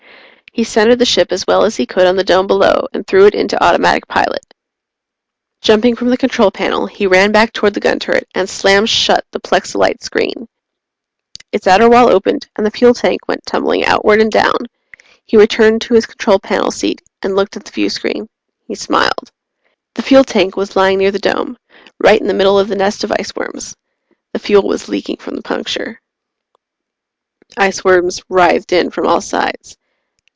He centered the ship as well as he could on the Dome below and threw it into automatic pilot. Jumping from the control panel, he ran back toward the gun turret and slammed shut the plexilite screen. Its outer wall opened and the fuel tank went tumbling outward and down. He returned to his control panel seat and looked at the viewscreen. He smiled. The fuel tank was lying near the Dome right in the middle of the nest of iceworms. The fuel was leaking from the puncture. The iceworms writhed in from all sides.